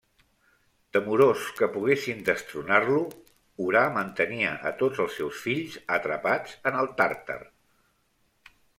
Temorós que poguessin destronar-lo, Urà mantenia a tots els seus fills atrapats en el Tàrtar.